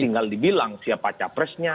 tinggal dibilang siapa capresnya